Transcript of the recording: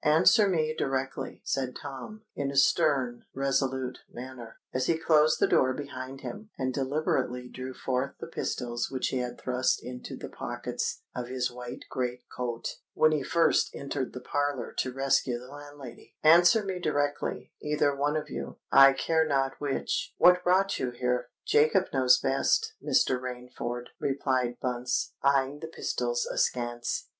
"Answer me directly," said Tom, in a stern—resolute manner, as he closed the door behind him, and deliberately drew forth the pistols which he had thrust into the pockets of his white great coat when he first entered the parlour to rescue the landlady,—"answer me directly—either one of you, I care not which:—what brought you here?" "Jacob knows best, Mr. Rainford," replied Bunce, eyeing the pistols askance.